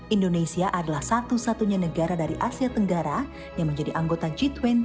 indonesia adalah satu satunya negara dari asia tenggara yang menjadi anggota g dua puluh